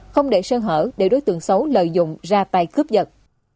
không để sơn hở để đối tượng xấu lợi dụng ra tay cướp giật